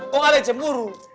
kok ada jemuru